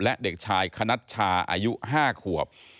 และเด็กชายคณัชชาอายุ๕ขวบ